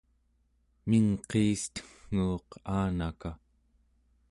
mingqiisten͞guuq aanaka